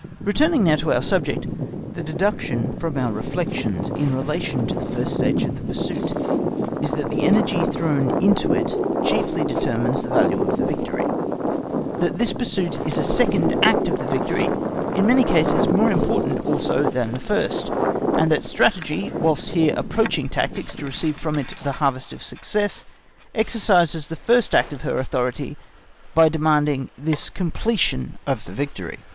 Returning now to our subject, the deduction from our reflections in relation to the first stage of pursuit is, that the energy thrown into it chiefly determines the value of the victory; that this pursuit is a second act of the victory, in many cases more important also than the first, and that strategy, whilst here approaching tactics to receive from it the harvest of success, exercises the first act of her authority by demanding this completion of the victory.